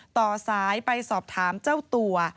ต่อสายไปสอบถามเจ้าตัว